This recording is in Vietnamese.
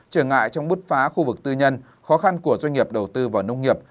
trở ngại trong bứt phá khu vực tư nhân khó khăn của doanh nghiệp đầu tư vào nông nghiệp